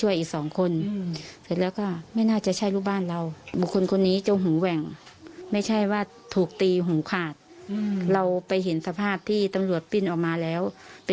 อ๋อเหมือนเขาพิกันอยู่แล้ว